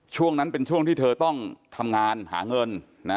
ช่วงนั้นเป็นช่วงที่เธอต้องทำงานหาเงินนะ